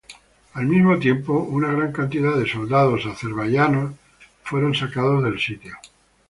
Al mismo tiempo, una gran cantidad de soldados azerbaiyanos fueron sacados del sitio.